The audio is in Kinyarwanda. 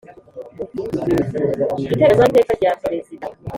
ibiteganywa n iteka rya perezida